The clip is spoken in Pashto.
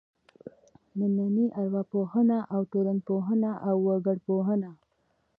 نننۍ ارواپوهنه او ټولنپوهنه او وګړپوهنه.